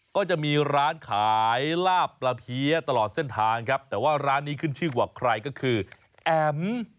ก็จะมีร้านขายลาบปลาเพี้ยตลอดเส้นทางครับแต่ว่าร้านนี้ขึ้นชื่อกว่าใครก็คือแอ๋ม